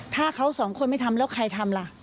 ถ้าเขาสองคนไม่ทำแล้วใครทำล่ะ